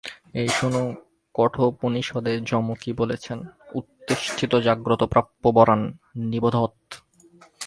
এই শোন্, কঠোপনিষদে যম কি বলেছেন উত্তিষ্ঠত জাগ্রত প্রাপ্য বরান নিবোধত।